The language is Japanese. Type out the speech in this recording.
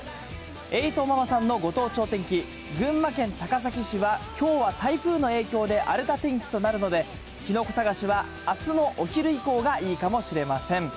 えいとままさんのご当地お天気、群馬県高崎市はきょうは台風の影響で、荒れた天気となるので、キノコ探しはあすのお昼以降がいいかもしれません。